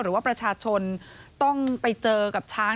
หรือว่าประชาชนต้องไปเจอกับช้าง